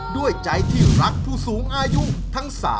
ด้วยใจที่รักผู้สูงอายุทั้ง๓